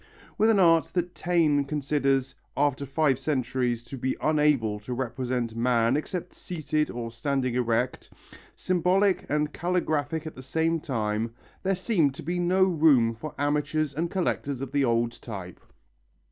With an art that Taine considers "after five centuries to be unable to represent man except seated or standing erect," symbolic and calligraphic at the same time, there seemed to be no room for amateurs and collectors of the old type.